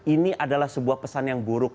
ini adalah sebuah pesan yang buruk